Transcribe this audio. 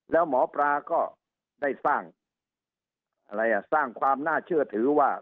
แล้วหมอปลาก็ได้สร้างอะไรอ่ะสร้างความน่าเชื่อถือว่า